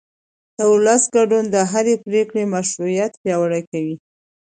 د ولس ګډون د هرې پرېکړې مشروعیت پیاوړی کوي